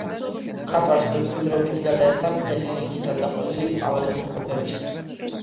მხატვარს მემკვიდრეობით გადაეცა მთელი რიგი თანდაყოლილი ავადმყოფობებისა.